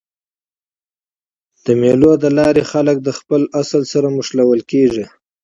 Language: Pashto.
د مېلو له لاري خلک له خپل اصل سره مښلول کېږي.